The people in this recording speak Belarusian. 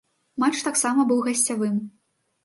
Матч таксама быў гасцявым.